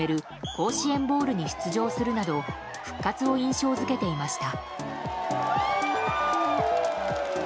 甲子園ボウルに出場するなど復活を印象付けていました。